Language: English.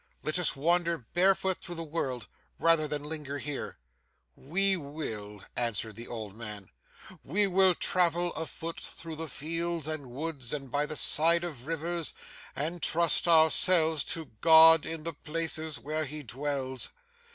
Let us wander barefoot through the world, rather than linger here.' 'We will,' answered the old man, 'we will travel afoot through the fields and woods, and by the side of rivers, and trust ourselves to God in the places where He dwells.